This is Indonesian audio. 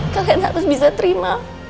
kalian harus bisa terima